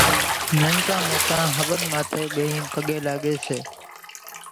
ننڪا موٽان هونَ ماٿيَ ٻيهين پڳين لاڳيَ سي۔